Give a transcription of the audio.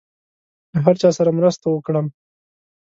له هر چا سره مرسته وکړم.